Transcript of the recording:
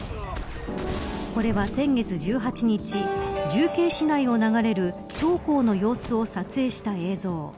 これは、先月１８日重慶市内を流れる長江の様子を撮影した映像。